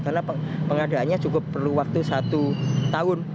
karena pengadaannya cukup perlu waktu satu tahun